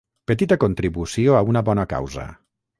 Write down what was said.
Petita contribució a una bona causa.